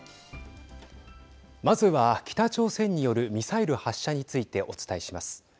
まずは、北朝鮮によるミサイル発射についてお伝えします。